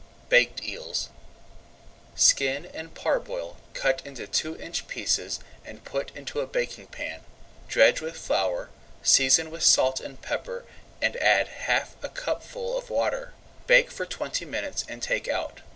BAKED EELS Skin and parboil, cut into two inch pieces, and put into a baking pan. Dredge with flour, season with salt and pepper and add half a cupful of water. Bake for twenty minutes and take out.